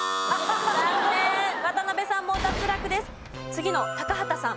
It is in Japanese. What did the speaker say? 次の高畑さん